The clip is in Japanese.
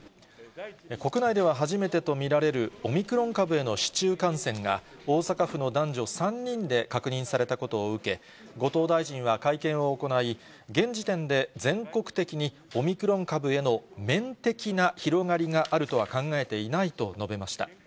国内では初めてと見られるオミクロン株への市中感染が、大阪府の男女３人で確認されたことを受け、後藤大臣は会見を行い、現時点で全国的に、オミクロン株への面的な広がりがあるとは考えていないと述べました。